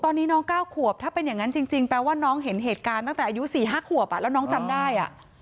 ตอนนี้น้อง๙ขวบถ้าเป็นอย่างนั้นจริงแปลว่าน้องเห็นเหตุการณ์ตั้งแต่อายุ๔๕ขวบแล้วน้องจำได้